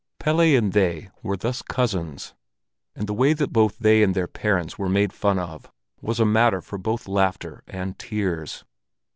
Pelle and they were thus cousins; and the way that both they and their parents were made fun of was a matter for both laughter and tears.